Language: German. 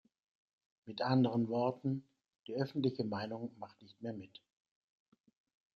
Mit anderen Worten, die öffentliche Meinung macht nicht mehr mit.